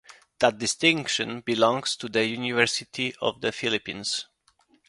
That distinction belongs to the University of the Philippines.